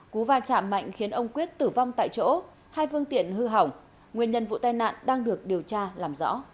cú va chạm mạnh khiến ông quyết tử vong tại chỗ hai phương tiện hư hỏng nguyên nhân vụ tai nạn đang được điều tra làm rõ